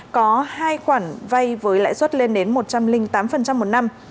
có hai khoản vay với lãi suất lên đến một trăm linh tám một năm